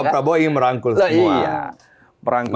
masalah merangkul itu tidak ada